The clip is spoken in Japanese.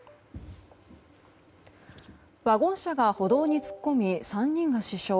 ワゴン車が歩道に突っ込み３人が死傷。